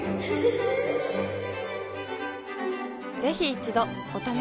ぜひ一度お試しを。